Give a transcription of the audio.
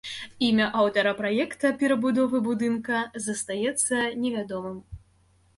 Імя аўтара праекта перабудовы будынка застаецца невядомым.